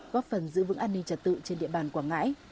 góp phần giữ vững an ninh trật tự trên địa bàn quảng ngãi